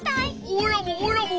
おいらもおいらも。